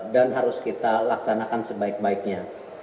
dan harus kita laksanakan sebaik baiknya